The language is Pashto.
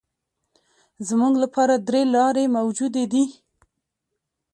زموږ لپاره درې لارې موجودې دي.